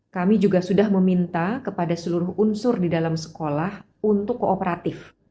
kami juga sudah meminta kepada seluruh unsur di dalam sekolah untuk kooperatif